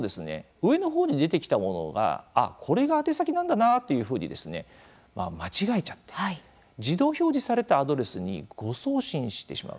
上の方に出てきたものが、これが宛先なんだなっていうふうに間違えちゃって、自動表示されたアドレスに誤送信してしまう。